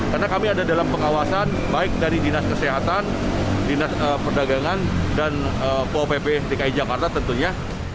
karena kami ada dalam pengawasan baik dari dinas kesehatan dinas perdagangan dan popp dki jakarta tentunya